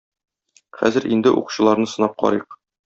Хәзер инде укчыларны сынап карыйк.